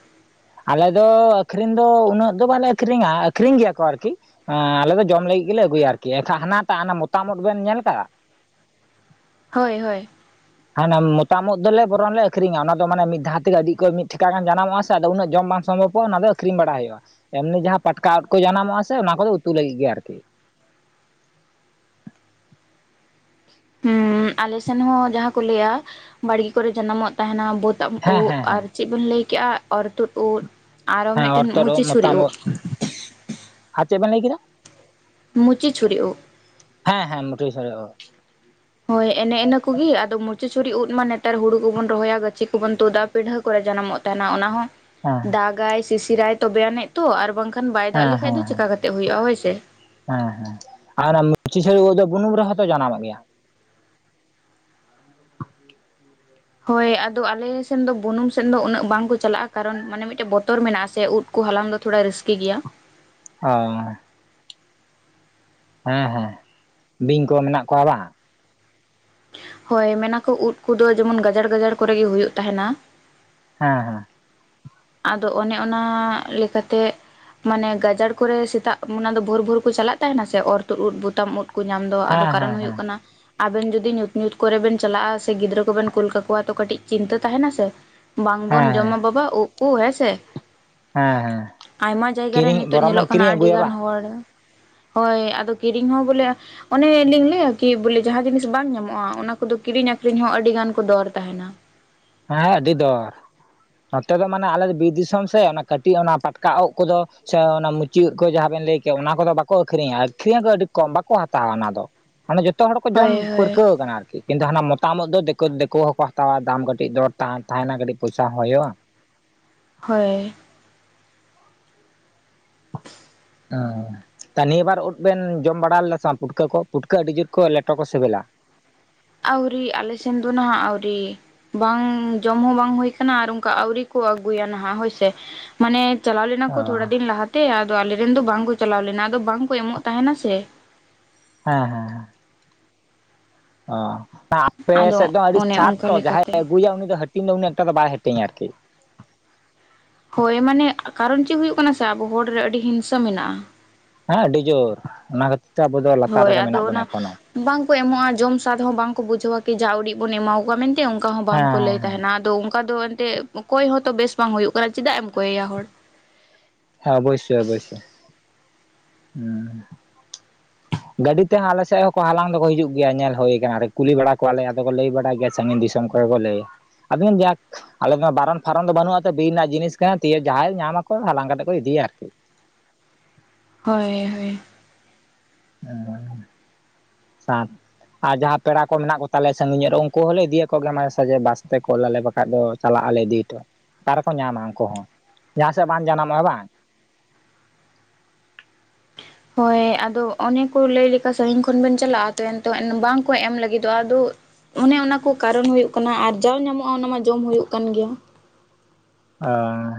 ᱟᱞᱮ ᱫᱚ ᱟᱹᱠᱷᱨᱤᱧ ᱫᱚ ᱩᱱᱟᱹᱜ ᱫᱚ ᱵᱟᱞᱮ ᱟᱹᱠᱷᱨᱤᱧᱟ ᱟᱹᱠᱷᱨᱤᱧ ᱜᱮᱭᱟ ᱠᱚ ᱟᱨᱠᱤ᱾ ᱟᱸ ᱟᱞᱮ ᱫᱚ ᱡᱚᱢ ᱞᱟᱹᱜᱤᱫ ᱜᱮᱞᱮ ᱟᱹᱜᱩᱭᱟ ᱟᱨᱠᱤ ᱮᱠᱷᱟᱡ ᱦᱟᱱᱟᱴᱟᱜ ᱦᱟᱹᱱᱟ ᱢᱚᱛᱟᱢ ᱩᱫ ᱵᱮᱱ ᱧᱮᱞ ᱠᱟᱜᱼᱟ? ᱦᱳᱭ ᱦᱳᱭ᱾ ᱦᱟᱸᱱᱮ ᱢᱚᱛᱟᱢ ᱩᱫ ᱫᱚᱞᱮ ᱵᱚᱨᱚᱱ ᱞᱮ ᱟᱹᱠᱷᱨᱤᱧᱟ ᱚᱱᱟ ᱫᱚ ᱢᱟᱱᱮ ᱢᱤᱫ ᱫᱷᱟᱣ ᱛᱮᱜᱮ ᱟᱹᱰᱤ ᱚᱠᱚᱡ ᱢᱤᱫ ᱴᱷᱮᱠᱟ ᱜᱟᱱ ᱡᱟᱱᱟᱢᱚᱜᱼᱟ ᱥᱮ ᱟᱫᱚ ᱩᱱᱟᱹᱜ ᱡᱚᱢ ᱵᱟᱝ ᱥᱚᱢᱵᱷᱚᱵᱽ᱾ ᱠᱚ ᱚᱱᱟ ᱫᱚ ᱟᱹᱠᱷᱨᱤᱧ ᱵᱟᱲᱟ ᱦᱩᱭᱩᱜᱼᱟ, ᱮᱢᱱᱤ ᱡᱟᱦᱟᱸ ᱯᱟᱴᱠᱟ ᱩᱫ ᱠᱚ ᱡᱟᱱᱟᱢᱚᱜᱼᱟ ᱥᱮ ᱚᱱᱟ ᱠᱚᱫᱚ ᱩᱛᱩ ᱞᱟᱹᱜᱤᱫ ᱜᱮ ᱟᱨᱠᱤ᱾ ᱦᱩᱸ ᱟᱞᱮᱥᱮᱱ ᱦᱚᱸ ᱡᱟᱦᱟᱸ ᱠᱚ ᱞᱟᱹᱭᱟ ᱵᱟᱹᱲᱜᱮ ᱠᱚᱨᱮ ᱡᱟᱱᱟᱢᱚᱜ ᱛᱟᱦᱮᱸᱱᱟ ᱵᱟᱹᱫ ᱥᱟᱫᱟᱢ ᱦᱮᱸ ᱩᱫ ᱦᱮᱸ ᱦᱮᱸ ᱟᱨ ᱪᱮᱫ ᱵᱤᱱ ᱞᱟᱹᱭ ᱠᱮᱜᱼᱟ ᱚᱨᱛᱩᱫ ᱩᱫ ᱟᱨᱚ ᱦᱮᱸ ᱢᱤᱫᱴᱮᱱ ᱚᱨᱛᱚᱫ ᱢᱩᱪᱤ ᱳᱫ ᱥᱩᱨᱤ ᱢᱚᱛᱟᱢ ᱩᱫᱽ᱾ ᱳᱫ ᱟᱨ ᱪᱮᱫ ᱵᱮᱱ ᱞᱟᱹᱭ ᱠᱮᱫᱟ? ᱢᱩᱪᱤ ᱪᱷᱩᱲᱤ ᱩᱫ᱾ ᱦᱮᱸ ᱦᱮᱸ ᱢᱩᱴᱦᱤᱣ ᱪᱷᱟᱹᱲᱤ ᱩᱫ᱾ ᱦᱳᱭ ᱮᱱᱮᱸ ᱤᱱᱟᱹ ᱠᱩᱜᱤ ᱟᱫᱚ ᱢᱩᱨᱪᱤ ᱪᱷᱩᱲᱤ ᱩᱫ ᱢᱟ ᱱᱮᱛᱟᱨ ᱦᱩᱲᱩ ᱠᱚᱵᱚᱱ ᱨᱚᱦᱚᱭᱟ ᱜᱟᱹᱪᱷᱤ ᱠᱚᱵᱚᱱ ᱛᱩᱫᱟ᱾ ᱯᱤᱰᱷᱟᱹ ᱠᱚᱨᱮ ᱡᱟᱱᱟᱢᱚᱜ ᱛᱟᱦᱮᱸᱱᱟ ᱚᱱᱟ ᱦᱚᱸ᱾ ᱦᱮᱸ ᱫᱟᱜ ᱟᱭ ᱥᱤᱥᱤᱨᱟᱭ ᱛᱚᱵᱮ ᱟᱱᱮᱡ ᱛᱚ ᱟᱨ ᱵᱟᱝᱠᱷᱟᱱ ᱵᱟᱭ ᱫᱟᱜ ᱦᱮᱸ ᱦᱮᱸ ᱞᱤᱠᱷᱟᱡ ᱫᱚ ᱦᱮᱸ ᱪᱤᱠᱟ ᱠᱟᱛᱮᱜ ᱦᱩᱭᱩᱜᱼᱟ ᱦᱳᱭᱥᱮ᱾ ᱦᱮᱸ ᱦᱮᱸ ᱟᱨ ᱢᱩᱪᱤ ᱪᱷᱟᱹᱨᱤ ᱩᱫ ᱫᱚ ᱵᱩᱱᱩᱢ ᱨᱮᱦᱚᱸᱛᱚ ᱡᱟᱱᱟᱢᱚᱜ ᱜᱮᱭᱟ᱾ ᱦᱳᱭ ᱟᱫᱚ ᱟᱞᱮᱥᱮᱱ ᱫᱚ ᱵᱩᱱᱩᱢ ᱥᱮᱱ ᱫᱚ ᱩᱱᱟᱹᱜ ᱵᱟᱝ ᱠᱚ ᱪᱟᱞᱟᱜᱼᱟ ᱠᱟᱨᱚᱱ ᱢᱟᱱᱮ ᱢᱤᱫᱴᱮᱡ ᱵᱚᱛᱚᱨ ᱢᱮᱱᱟᱜ ᱟᱥᱮ ᱩᱫ ᱠᱩ ᱦᱟᱞᱟᱝ ᱫᱚ ᱛᱷᱚᱲᱟ ᱨᱤᱥᱠᱤ ᱜᱤᱭᱟ᱾ ᱦᱚᱭ᱾ ᱦᱮᱸ ᱦᱮᱸ, ᱵᱤᱧ ᱠᱚ ᱢᱮᱱᱟᱜ ᱠᱚᱣᱟ ᱵᱟᱝ? ᱦᱳᱭ ᱢᱮᱱᱟᱠᱚ ᱩᱫ ᱠᱚᱫᱚ ᱡᱮᱢᱚᱱ ᱜᱟᱡᱟᱲ ᱜᱟᱡᱟᱲ ᱠᱚᱨᱮᱜᱮ ᱦᱩᱭᱩᱜ ᱛᱟᱦᱮᱸᱱᱟ᱾ ᱦᱮᱸ ᱦᱮᱸ᱾ ᱟᱫᱚ ᱚᱱᱮ ᱚᱱᱟ ᱞᱮᱠᱟᱛᱮ ᱢᱟᱱᱮ ᱜᱟᱡᱟᱲ ᱠᱚᱨᱮ ᱥᱮᱛᱟᱜ ᱚᱱᱟ ᱫᱚ ᱵᱷᱳᱨ ᱵᱷᱳᱨ ᱠᱚ ᱪᱟᱞᱟᱜ ᱛᱟᱦᱮᱸᱱᱟ ᱥᱮ ᱚᱨ ᱛᱩᱫ ᱩᱫ ᱵᱩᱛᱟᱢ ᱩᱫ ᱠᱩ ᱧᱟᱢ ᱫᱚ ᱟᱫᱚ ᱦᱮᱸ ᱦᱮᱸ ᱠᱟᱨᱚᱱ ᱦᱩᱭᱩᱜ ᱦᱮᱸ ᱠᱟᱱᱟ ᱟᱵᱮᱱ ᱡᱩᱫᱤ ᱧᱩᱛ ᱧᱩᱛ ᱠᱚᱨᱮ ᱵᱮᱱ ᱪᱟᱞᱟᱜᱼᱟ ᱥᱮ ᱜᱤᱫᱽᱨᱟᱹ ᱠᱚᱵᱮᱱ ᱠᱩᱞ ᱠᱟᱠᱚᱣᱟ ᱛᱚ ᱠᱟᱹᱴᱤᱡ ᱪᱤᱱᱛᱟᱹ ᱛᱟᱦᱮᱸᱱᱟ ᱥᱮ᱾ ᱵᱟᱝᱵᱚᱱ ᱦᱮᱸ ᱦᱮᱸ ᱡᱚᱢᱟ ᱵᱟᱵᱟ ᱩᱵ ᱠᱚ ᱦᱮᱸᱥᱮ? ᱦᱮᱸ ᱦᱮᱸ ᱟᱭᱢᱟ ᱡᱟᱭᱜᱟ ᱨᱮ ᱠᱤᱨᱤᱧ ᱱᱤᱛᱳᱜ ᱵᱚᱨᱚᱱ ᱵᱚᱱ ᱧᱮᱞᱚᱜ ᱠᱟᱱᱟ ᱠᱤᱨᱤᱧ ᱟᱹᱰᱤ ᱟᱹᱜᱩᱭᱟ ᱜᱟᱱ ᱵᱟᱝ ᱦᱚᱲ ᱦᱳᱭ ᱟᱫᱚ ᱠᱤᱨᱤᱧ ᱦᱚᱸ ᱵᱚᱞᱮ ᱚᱱᱮ ᱞᱤᱧ ᱞᱟᱹᱭᱟ ᱠᱤ ᱵᱚᱞᱮ ᱡᱟᱦᱟᱸ ᱡᱤᱱᱤᱥ ᱵᱟᱝ ᱧᱟᱢᱚᱜᱼᱟ ᱚᱱᱟ ᱠᱚᱫᱚ ᱠᱤᱨᱤᱧ ᱟᱠᱷᱨᱤᱧ ᱦᱚᱸ ᱟᱹᱰᱤ ᱜᱟᱱ ᱠᱚ ᱫᱚᱨ ᱛᱟᱦᱮᱱᱟ᱾ ᱦᱮᱸ ᱟᱹᱰᱤ ᱫᱚᱨ, ᱱᱚᱛᱮ ᱫᱚ ᱢᱟᱱᱮ ᱟᱞᱮ ᱫᱚ ᱵᱤᱨ ᱫᱤᱥᱚᱢ ᱥᱮ, ᱚᱱᱟ ᱠᱟᱹᱴᱤᱡ ᱚᱱᱟ ᱯᱟᱴᱠᱟ ᱩᱜ ᱠᱚᱫᱚ ᱪᱷᱚ ᱚᱱᱟ ᱢᱩᱪᱟᱹᱫ ᱠᱷᱚᱡ ᱡᱟᱦᱟᱸ ᱵᱮᱱ ᱞᱟᱹᱭ ᱠᱮᱫ ᱚᱱᱟ ᱠᱚᱫᱚ ᱵᱟᱠᱚ ᱟᱹᱠᱷᱨᱤᱧᱟ ᱟᱹᱠᱷᱨᱤᱧ ᱟᱠᱚ ᱟᱹᱰᱤ ᱠᱚᱢ ᱵᱟᱠᱚ ᱦᱟᱛᱟᱣᱟ ᱚᱱᱟ ᱫᱚ᱾ ᱢᱟᱱᱮ ᱡᱚᱛᱚ ᱦᱚᱲ ᱠᱚ ᱡᱚᱢ ᱦᱳᱭ ᱦᱳᱭ ᱯᱟᱹᱨᱠᱟᱹᱣ ᱟᱠᱟᱱᱟ ᱟᱨᱠᱤ, ᱠᱤᱱᱛᱩ ᱦᱟᱱᱟ ᱢᱚᱛᱟᱢ ᱩᱫ ᱫᱚ ᱫᱮᱠᱳ ᱫᱮᱠᱳ ᱦᱚᱸᱠᱚ ᱦᱟᱛᱟᱣᱟ ᱫᱟᱢ ᱜᱟ ᱴᱤᱡ ᱫᱚᱨ ᱛᱷᱟ ᱛᱟᱦᱮᱱᱟ ᱠᱟᱹᱴᱤᱡ ᱯᱚᱭᱥᱟ ᱦᱚᱸ ᱦᱩᱭᱚᱜᱼᱟ᱾ ᱦᱳᱭ᱾ ᱦᱚ, ᱛᱟ ᱱᱤᱭᱟᱹ ᱵᱟᱨ ᱩᱫ ᱵᱮᱱ ᱡᱚᱢ ᱵᱟᱲᱟ ᱞᱮᱫ ᱥᱮ ᱵᱟᱝ ᱯᱩᱴᱠᱟᱹ ᱠᱚ ᱯᱩᱴᱠᱟᱹ ᱟᱹᱰᱤ ᱡᱳᱨ ᱠᱚ ᱞᱮᱴᱚ ᱠᱚ ᱥᱤᱵᱤᱞᱟ᱾ ᱟᱹᱣᱨᱤ ᱟᱞᱮ ᱥᱮᱱ ᱫᱚ ᱱᱟᱦᱟᱜ ᱟᱹᱣᱨᱤ᱾ ᱵᱟᱝ ᱡᱚᱢ ᱦᱚᱸ ᱵᱟᱝ ᱦᱩᱭ ᱠᱟᱱᱟ ᱟᱨ ᱚᱱᱠᱟ ᱟᱹᱣᱨᱤ ᱠᱚ ᱟᱹᱜᱩᱭᱟ ᱱᱟᱦᱟᱜ ᱦᱳᱭ ᱥᱮ᱾ ᱢᱟᱱᱮ ᱪᱟᱞᱟᱣ ᱞᱮᱱᱟ ᱠᱚ ᱚ ᱛᱷᱚᱲᱟ ᱫᱤᱱ ᱞᱟᱦᱟᱛᱮ ᱟᱫᱚ ᱟᱞᱮᱨᱮᱱ ᱫᱚ ᱵᱟᱝ ᱠᱚ ᱪᱟᱞᱟᱣ ᱞᱮᱱᱟ ᱟᱫᱚ ᱵᱟᱝ ᱠᱚ ᱮᱢᱚᱜ ᱛᱟᱦᱮᱸᱱᱟ ᱥᱮ᱾ ᱦᱮᱸ ᱦᱮᱸ ᱦᱮᱸ᱾ ᱚ ᱟᱯᱮ ᱟᱫᱚ ᱥᱮᱫ ᱫᱚ ᱟᱹᱰᱤ ᱚᱱᱮ ᱥᱟᱫ ᱚᱱᱠᱟ ᱛᱚ ᱡᱟᱦᱟᱸᱭ ᱞᱮᱠᱟᱛᱮ ᱟᱹᱜᱩᱭᱟ ᱩᱱᱤ ᱫᱚ ᱦᱟᱹ ᱴᱤᱧ ᱫᱚ ᱩᱱᱟᱹᱜ ᱮᱠᱴᱟ ᱫᱚ ᱵᱟᱭ ᱦᱟᱹᱴᱤᱧᱟ ᱟᱨᱠᱤ᱾ ᱦᱳᱭ ᱢᱟᱱᱮ ᱠᱟᱨᱚᱱ ᱪᱤᱫ ᱦᱩᱭᱩᱜ ᱠᱟᱱᱟ ᱥᱮ ᱟᱵᱚ ᱦᱚᱲ ᱨᱮ ᱟᱹᱰᱤ ᱦᱤᱝᱥᱟᱹ ᱢᱮᱱᱟᱜᱼᱟ᱾ ᱦᱮᱸ ᱟᱹᱰᱤ ᱡᱳᱨ ᱚᱱᱟ ᱠᱷᱟᱹᱛᱤᱨ ᱛᱮ ᱟᱵᱚ ᱫᱚ ᱞᱟᱛᱟᱨ ᱦᱳᱭ ᱨᱮᱜᱮ ᱢᱮᱱᱟᱜ ᱟᱫᱚ ᱵᱚᱱᱟ ᱚᱱᱟ ᱮᱠᱷᱚᱱᱳ᱾ ᱵᱟᱝᱠᱚ ᱮᱢᱚᱜᱼᱟ ᱡᱚᱢ ᱥᱟᱫᱷ ᱦᱚᱸ ᱵᱟᱝᱠᱚ ᱵᱩᱡᱷᱟᱹᱣᱟ ᱠᱤ ᱡᱟ ᱩᱰᱤᱡ ᱵᱚᱱ ᱮᱢᱟᱣᱟᱠᱚᱣᱟ ᱢᱮᱱ ᱚᱱᱠᱟ ᱦᱚᱸ ᱦᱮᱸ ᱵᱟᱝᱠᱚ ᱞᱟᱹᱭ ᱦᱮᱸ ᱛᱟᱦᱮᱸᱱᱟ ᱟᱫᱚ ᱚᱱᱠᱟ ᱫᱚ [unintelligible] ᱠᱚᱭ ᱦᱚᱸᱛᱚ ᱵᱮᱥ ᱵᱟᱝ ᱦᱩᱭᱩᱜ ᱠᱟᱱᱟ ᱪᱮᱫᱟᱜ ᱮᱢ ᱠᱚᱭᱮᱭᱟ ᱦᱚᱲ᱾ ᱦᱮᱸ ᱚᱵᱚᱥᱥᱳᱭ ᱚᱵᱚᱥᱥᱳᱭ᱾ ᱦᱮᱸ᱾ ᱜᱟᱹᱰᱤ ᱛᱮᱦᱚᱸ ᱟᱞᱮ ᱥᱮᱫ ᱦᱚᱸᱠᱚ ᱦᱟᱞᱟᱝ ᱫᱚᱠᱚ ᱦᱤᱡᱩᱜ ᱜᱮᱭᱟ ᱧᱮᱞ ᱦᱩᱭᱟ ᱠᱟᱱᱟ ᱠᱩᱞᱤ ᱵᱟᱲᱟ ᱠᱚᱣᱟᱞᱮ, ᱟᱫᱚ ᱠᱚ ᱞᱟᱹᱭ ᱵᱟᱲᱟᱭ ᱜᱮᱭᱟ ᱥᱟᱺᱜᱤᱧ ᱫᱤᱥᱚᱢ ᱚᱠᱚᱭ ᱠᱚ ᱞᱟᱹᱭ-ᱟ, ᱟᱵᱤᱱ ᱡᱟᱠ ᱟᱞᱮ ᱫᱚ ᱚᱱᱟ ᱵᱟᱨᱚᱱ ᱯᱷᱟᱨᱚᱱ ᱫᱚ ᱵᱟᱹᱱᱩᱜᱼᱟ ᱛᱚ ᱵᱤᱨ ᱨᱮᱱᱟᱜ ᱡᱤᱱᱤᱥ ᱠᱟᱱᱟ ᱛᱤᱭᱟᱹ ᱡᱟᱦᱟᱸᱭ ᱧᱟᱢ ᱟᱠᱚ ᱦᱟᱞᱟᱝ ᱠᱟᱛᱮᱫ ᱠᱚ ᱤᱫᱤᱭᱟ ᱟᱨᱠᱤ᱾ ᱦᱳᱭ ᱦᱳᱭ᱾ ᱚᱸ ᱥᱟᱛ ᱟᱨ ᱡᱟᱦᱟᱸ ᱯᱮᱲᱟ ᱠᱚ ᱢᱮᱱᱟᱜ ᱠᱚ ᱛᱟᱞᱮᱭᱟ ᱥᱟᱺᱜᱤᱧᱚᱜ ᱨᱮ ᱩᱱᱠᱩ ᱦᱚᱸᱞᱮ ᱤᱫᱤᱭᱟ ᱠᱚ ᱜᱮ ᱢᱟᱡᱮ ᱥᱟᱡᱮ ᱵᱟᱥ ᱛᱮ ᱠᱳᱞ ᱟᱞᱮ ᱵᱟᱠᱷᱟᱡᱽ ᱫᱚ ᱪᱟᱞᱟᱜ ᱟᱞᱮ ᱤᱫᱤ ᱦᱚᱴᱚ᱾ ᱚᱠᱟ ᱨᱮ ᱠᱚ ᱧᱟᱢ-ᱟ ᱩᱱᱠᱩ ᱦᱚᱸ, ᱡᱟᱦᱟᱸ ᱥᱮᱫ ᱵᱟᱝ ᱡᱟᱱᱟᱢᱚᱜᱼᱟ, ᱦᱮ ᱵᱟᱝ? ᱦᱳᱭ, ᱟᱫᱚ ᱚᱱᱮ ᱠᱚ ᱞᱟᱹᱭ ᱞᱮᱠᱟ ᱥᱟᱺᱜᱤᱧ ᱠᱷᱚᱱ ᱵᱤᱱ ᱪᱟᱞᱟᱜᱼᱟ, ᱛᱚ ᱮᱱ ᱛᱚ ᱮᱱ ᱵᱟᱝᱠᱚ ᱮᱢ ᱞᱟᱹᱜᱤᱫᱚᱜᱼᱟ ᱟᱫᱚ ᱚᱱᱮ ᱚᱱᱟ ᱠᱚ ᱠᱟᱨᱚᱱ ᱦᱩᱭᱩᱜ ᱠᱟᱱᱟ᱾ ᱟᱨ ᱡᱟᱣ ᱧᱟᱢᱚᱜᱼᱟ ᱚᱱᱟ ᱢᱟ ᱡᱚᱢ ᱦᱩᱭᱩᱜ ᱠᱟᱱ ᱜᱮᱭᱟ᱾ ᱟ᱾